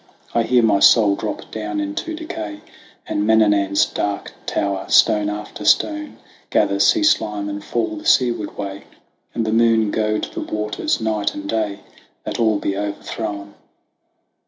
"I hear my soul drop down into decay, And Mananan's dark tower, stone by stone, Gather sea slime and fall the seaward way, And the moon goad the waters night and day, That all be overthrown.